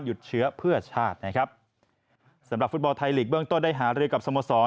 เชื้อเพื่อชาตินะครับสำหรับฟุตบอลไทยลีกเบื้องต้นได้หารือกับสโมสร